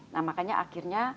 nah makanya akhirnya